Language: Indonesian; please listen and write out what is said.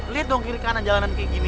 lihat dong kiri kanan jalanan kayak gini